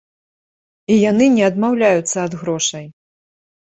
І яны не адмаўляюцца ад грошай.